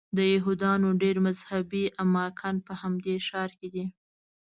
د یهودانو ډېر مذهبي اماکن په همدې ښار کې دي.